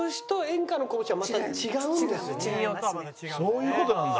そういう事なんだ。